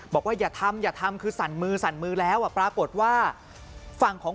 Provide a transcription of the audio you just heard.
บอกว่าอย่าทำอย่าทำคือสั่นมือสั่นมือแล้วอ่ะปรากฏว่าฝั่งของ